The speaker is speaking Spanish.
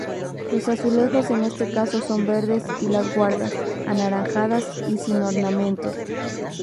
Los azulejos en este caso son verdes y las guardas, anaranjadas y sin ornamentos.